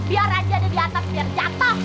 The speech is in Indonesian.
biar aja di atas biar jatuh